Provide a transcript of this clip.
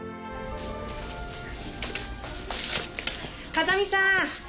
風見さん